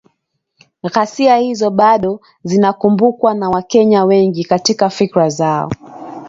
“Ghasia hizo bado zinakumbukwa na Wakenya wengi katika fikra zao